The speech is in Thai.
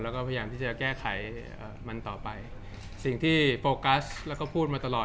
แล้วก็พยายามที่จะแก้ไขมันต่อไปสิ่งที่โฟกัสแล้วก็พูดมาตลอด